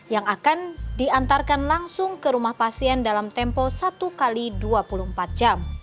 yang akan diantarkan langsung ke rumah pasien dalam tempo satu x dua puluh empat jam